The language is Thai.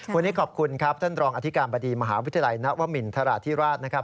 วันนี้ขอบคุณครับท่านรองอธิกรรมปฏิมหาวิทยาลัยณวมินทราธิราช